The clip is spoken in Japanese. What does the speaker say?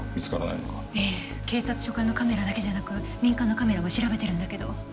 ええ警察所管のカメラだけじゃなく民間のカメラも調べてるんだけど。